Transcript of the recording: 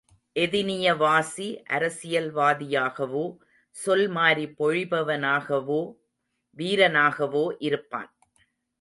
எதினியவாசி அரசியல் வாதியாகவோ, சொல்மாரி பொழிபவனாகவோ, வீரனாகவோ இருப்பான்.